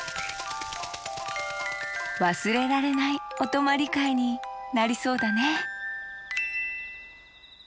わすれられないおとまりかいになりそうだね